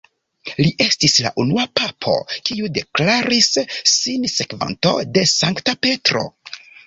Li estis la unua papo kiu deklaris sin sekvanto de Sankta Petro.